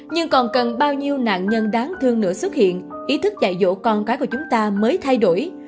nhưng còn cần bao nhiêu nạn nhân đáng thương nữa xuất hiện ý thức dạy dỗ con cái của chúng ta mới thay đổi